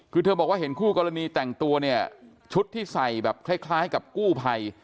คือเธอบอกว่าเห็นคู่กรณีแต่งตัวเนี่ยชุดที่ใส่แบบคล้ายกับกู้ภัย